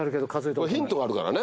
これヒントがあるからね。